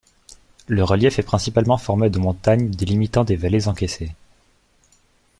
Le relief est principalement formé de montagnes délimitant des vallées encaissées.